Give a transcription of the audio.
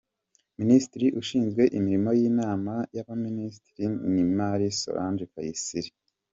Ministre ushinzwe imirimo y’inama y’abaministre ni Marie Solange Kayisire